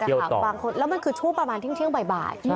แล้วมันคือชุดประมาณที่เชียงบ่าย